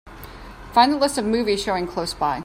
Find the list of movies showing close by